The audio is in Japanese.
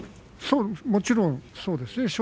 もちろんそうですね。